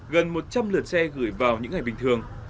gần một trăm linh lượt xe gửi vào những ngày bình thường